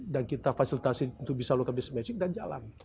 dan kita fasilitasi untuk bisa lakukan business magic dan jalan